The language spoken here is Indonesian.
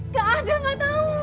gak ada gak tau